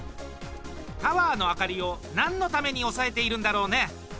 タワーの明かりを何のために抑えているんだろうね？